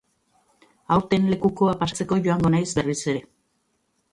Aurten lekukoa pasatzeko joango naiz berriz ere.